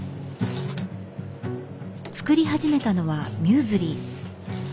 作り始めたのはミューズリー。